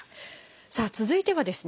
さあ続いてはですね